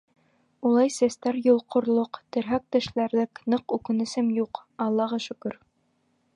— Улай сәстәр йолҡорлоҡ, терһәк тешләрлек ныҡ үкенесем юҡ, Аллаға шөкөр.